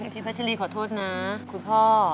พี่พัชรีขอโทษนะคุณพ่อ